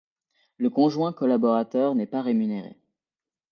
Le conjoint collaborateur n'est pas rémunéré.